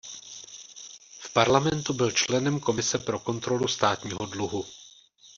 V parlamentu byl členem komise pro kontrolu státního dluhu.